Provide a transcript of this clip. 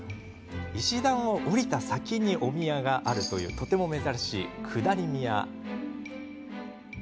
石段を下りた先にお宮があるとても珍しい下り宮。